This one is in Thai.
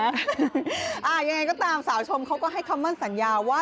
ยังไงก็ตามสาวชมเขาก็ให้คำมั่นสัญญาว่า